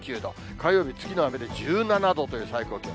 火曜日、次の雨で１７度という最高気温。